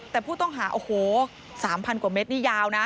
แต่ผู้ต้องหาโอ้โห๓๐๐กว่าเมตรนี่ยาวนะ